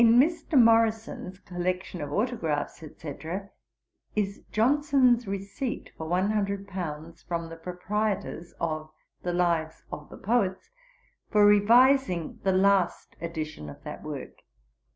In Mr. Morrison's Collection of Autographs &c., vol. ii, 'is Johnson's receipt for 100_l_., from the proprietors of The Lives of the Poets for revising the last edition of that work.'